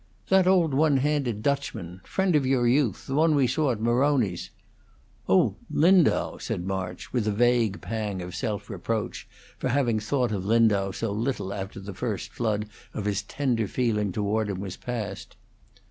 "That old one handed Dutchman friend of your youth the one we saw at Maroni's " "Oh Lindau!" said March, with a vague pang of self reproach for having thought of Lindau so little after the first flood of his tender feeling toward him was past.